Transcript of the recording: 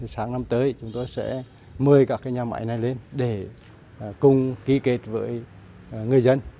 sáng năm tới chúng tôi sẽ mời các nhà máy này lên để cùng ký kết với người dân